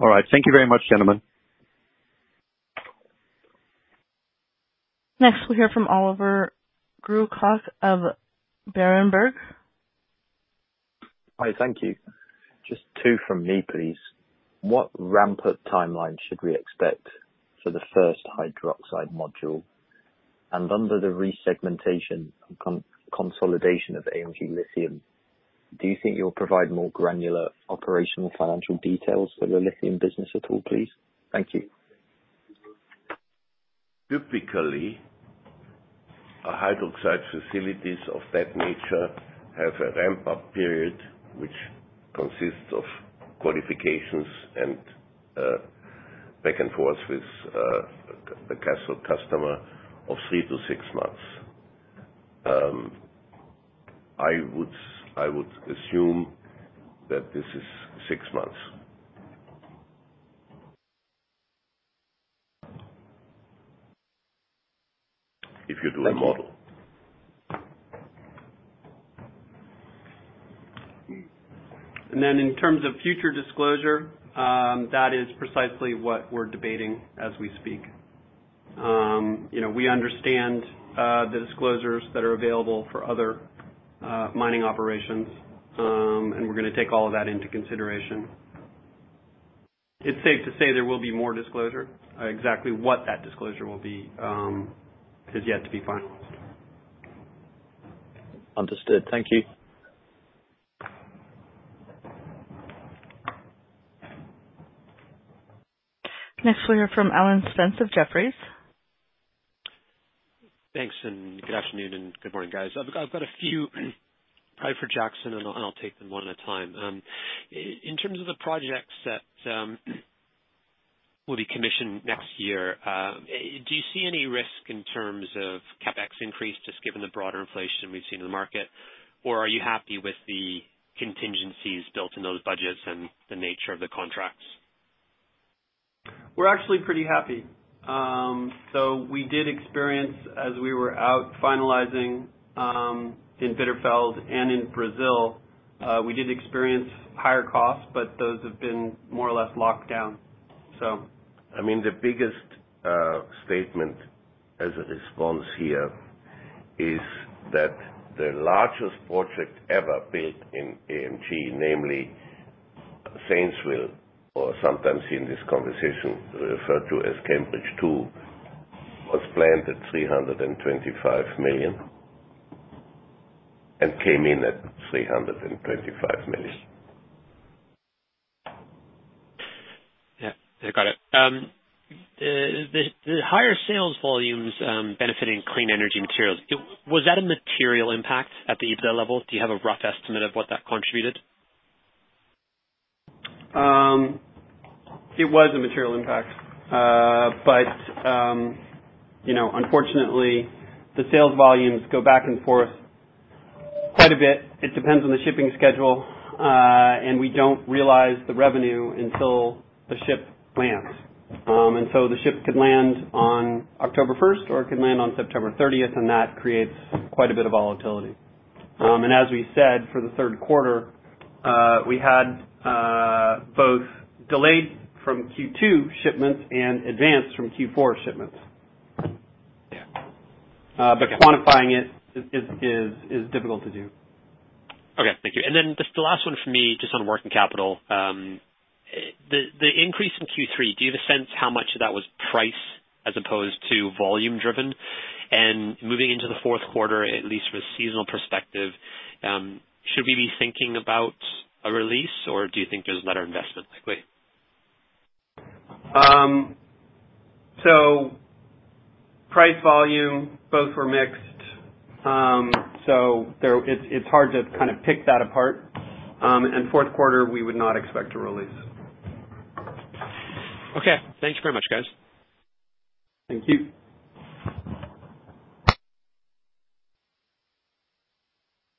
All right. Thank you very much, gentlemen. Next, we'll hear from Oliver Grewcock of Berenberg. Hi. Thank you. Just two from me, please. What ramp-up timeline should we expect for the first hydroxide module? Under the re-segmentation and consolidation of AMG Lithium, do you think you'll provide more granular operational financial details for the lithium business at all, please? Thank you. Typically, our hydroxide facilities of that nature have a ramp-up period which consists of qualifications and back and forth with the actual customer of three to six months. I would assume that this is six months. If you do a model. Then in terms of future disclosure, that is precisely what we're debating as we speak. You know, we understand the disclosures that are available for other mining operations. We're gonna take all of that into consideration. It's safe to say there will be more disclosure. Exactly what that disclosure will be is yet to be finalized. Understood. Thank you. Next we hear from Alan Spence of Jefferies. Thanks, good afternoon, and good morning, guys. I've got a few probably for Jackson, and I'll take them one at a time. In terms of the projects that will be commissioned next year, do you see any risk in terms of CapEx increase, just given the broader inflation we've seen in the market? Or are you happy with the contingencies built in those budgets and the nature of the contracts? We're actually pretty happy. We did experience higher costs as we were out finalizing in Bitterfeld and in Brazil, but those have been more or less locked down. I mean, the biggest statement as a response here is that the largest project ever built in AMG, namely Zanesville, or sometimes in this conversation referred to as Cambridge 2, was planned at $325 million and came in at $325 million. Yeah. I got it. The higher sales volumes benefiting Clean Energy Materials. Was that a material impact at the EBITDA level? Do you have a rough estimate of what that contributed? It was a material impact. You know, unfortunately, the sales volumes go back and forth quite a bit. It depends on the shipping schedule, and we don't realize the revenue until the ship lands. The ship could land on October 1st, or it could land on September 30th, and that creates quite a bit of volatility. As we said, for the third quarter, we had both delayed from Q2 shipments and advanced from Q4 shipments. Yeah. Quantifying it is difficult to do. Okay. Thank you. Just the last one for me, just on working capital. The increase in Q3, do you have a sense how much of that was price as opposed to volume driven? Moving into the fourth quarter, at least from a seasonal perspective, should we be thinking about a release, or do you think there's another investment likely? Price volume both were mixed. It's hard to kind of pick that apart. Fourth quarter, we would not expect a release. Okay. Thank you very much, guys. Thank you.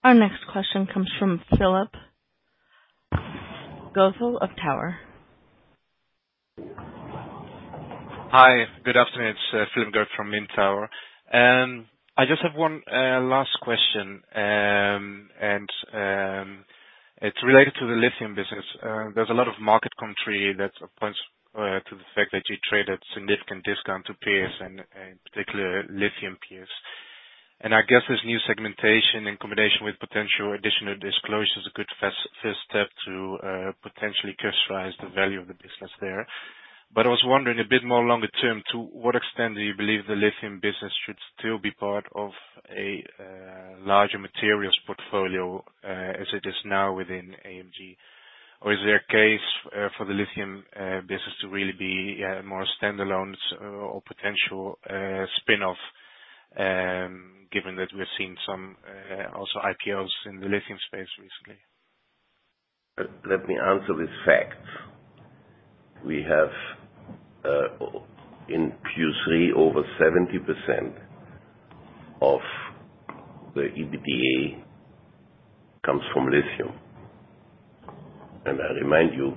Our next question comes from Philip Ngotho of Tower. Hi. Good afternoon. It's Philip Ngotho from Tower. I just have one last question, and it's related to the lithium business. There's a lot of market commentary that points to the fact that you trade at significant discount to peers and particularly lithium peers. I guess this new segmentation in combination with potential additional disclosure is a good first step to potentially crystallize the value of the business there. I was wondering a bit more longer term, to what extent do you believe the lithium business should still be part of a larger materials portfolio as it is now within AMG? Is there a case for the lithium business to really be more standalone or potential spin-off given that we're seeing some also IPOs in the lithium space recently? Let me answer with facts. We have, in Q3, over 70% of the EBITDA comes from lithium. I remind you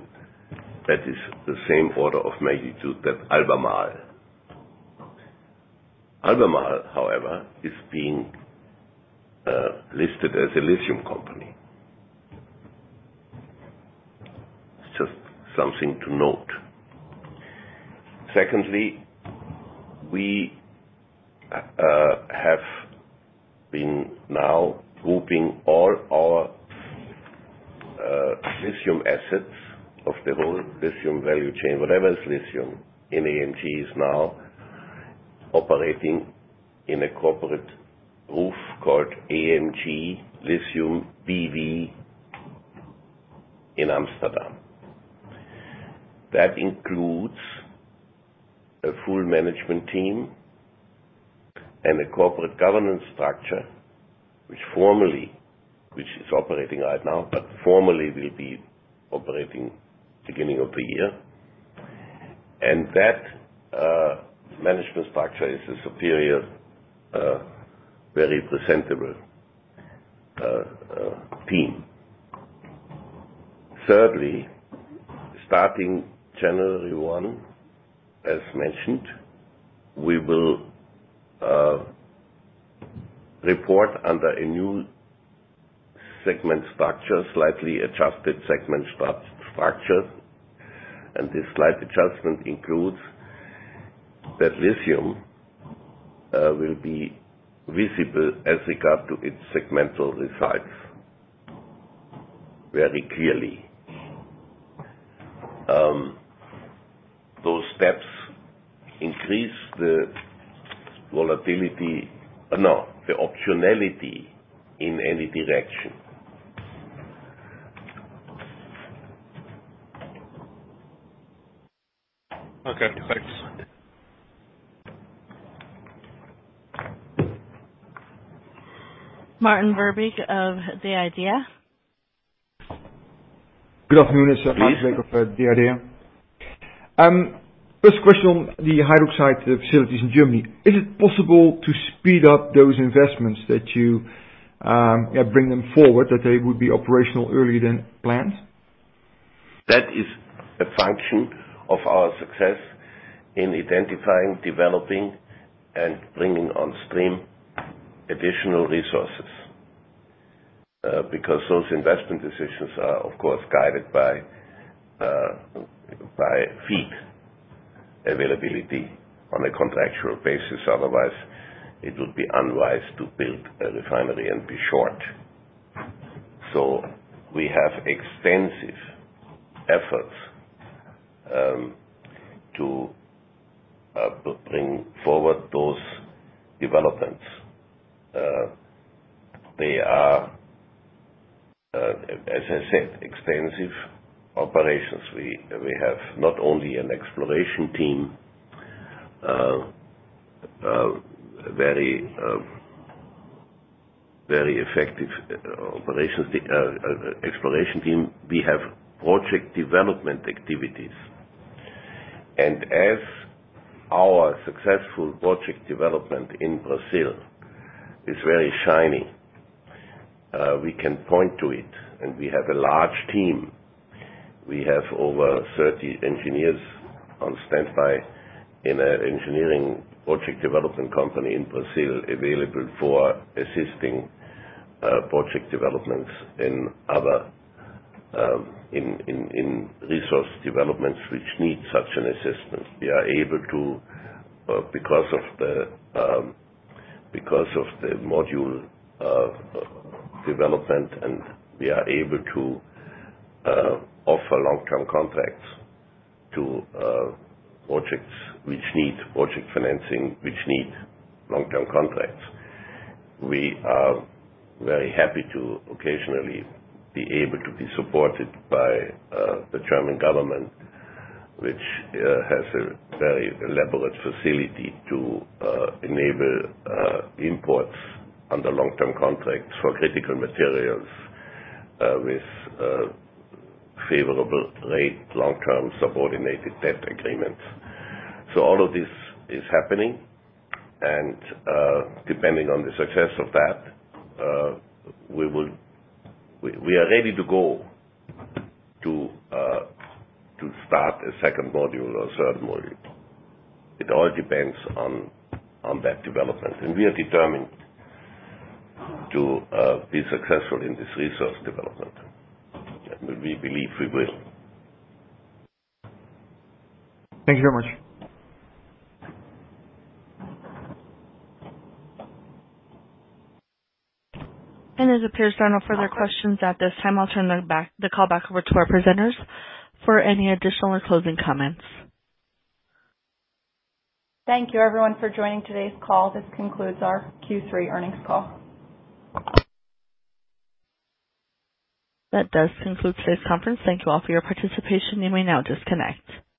that is the same order of magnitude as Albemarle. Albemarle, however, is being listed as a lithium company. It's just something to note. Secondly, we have been now grouping all our lithium assets of the whole lithium value chain. Whatever is lithium in AMG is now operating in a corporate umbrella called AMG Lithium B.V. in Amsterdam. That includes a full management team and a corporate governance structure, which informally is operating right now, but formally will be operating beginning of the year. That management structure is a superior, very presentable team. Thirdly, starting January 1, as mentioned, we will report under a new segment structure, slightly adjusted segment structure. This slight adjustment includes that lithium will be visible as regards its segmental results very clearly. Those steps increase the optionality in any direction. Okay, thanks. Maarten Verbeek of The IDEA!. Good afternoon. It's Maarten Verbeek of The IDEA. First question on the hydroxide facilities in Germany, is it possible to speed up those investments that you bring them forward, that they would be operational earlier than planned? That is a function of our success in identifying, developing, and bringing on stream additional resources. Because those investment decisions are, of course, guided by feed availability on a contractual basis. Otherwise, it would be unwise to build a refinery and be short. We have extensive efforts to bring forward those developments. They are, as I said, extensive operations. We have not only an exploration team, very effective operations exploration team. We have project development activities. Our successful project development in Brazil is very shining, we can point to it, and we have a large team. We have over 30 engineers on standby in an engineering project development company in Brazil available for assisting project developments in other resource developments which need such an assistance. We are able to offer long-term contracts to projects which need project financing, which need long-term contracts because of the module development. We are very happy to occasionally be able to be supported by the German government, which has a very elaborate facility to enable imports under long-term contracts for critical materials with favorable rate long-term subordinated debt agreements. All of this is happening, and depending on the success of that, we are ready to go to start a second module or a third module. It all depends on that development. We are determined to be successful in this resource development. We believe we will. Thank you very much. As it appears there are no further questions at this time. I'll turn the call back over to our presenters for any additional or closing comments. Thank you everyone for joining today's call. This concludes our Q3 earnings call. That does conclude today's conference. Thank you all for your participation. You may now disconnect.